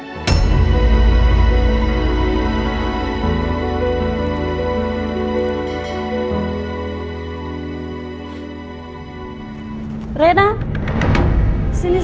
aku ingin menyertai kamu